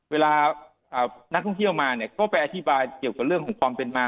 เวลานักท่องเที่ยวมาเนี่ยก็ไปอธิบายเกี่ยวกับเรื่องของความเป็นมา